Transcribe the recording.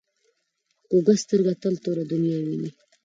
کوږه سترګه تل توره دنیا ویني